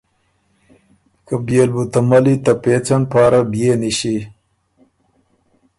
که بيې ل بُو ته ملّی ته پېڅن پاره بيې نِݭی۔